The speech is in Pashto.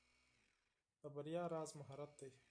د بریا راز مهارت دی.